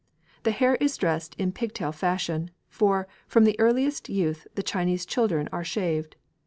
The hair is dressed in pigtail fashion, for from their earliest youth the Chinese children are shaved.